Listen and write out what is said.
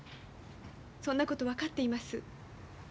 そんなこと分かっています。